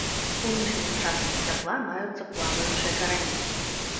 У ніжняй частцы сцябла маюцца плаваючыя карані.